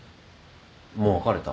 もう別れた？